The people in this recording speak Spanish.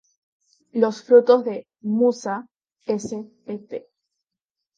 Los frutos de "Musa" spp.